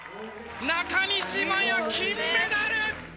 中西麻耶金メダル！